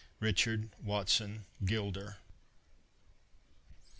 RICHARD WATSON GILDER.